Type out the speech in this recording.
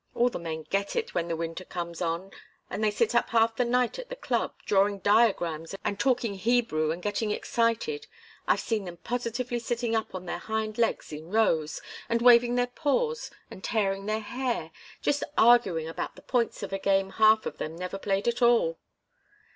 All the men get it when the winter comes on, and they sit up half the night at the club, drawing diagrams and talking Hebrew, and getting excited I've seen them positively sitting up on their hind legs in rows, and waving their paws and tearing their hair just arguing about the points of a game half of them never played at all."